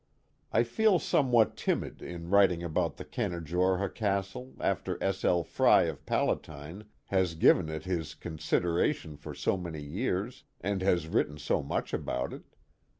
I feel somewhat timid in writing about the Canajorha Castle after S. L. Frey of Palatine has given it his considera* tion for so many years, and has written so much about it.